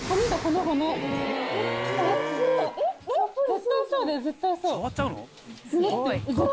絶対そうだよ絶対そう。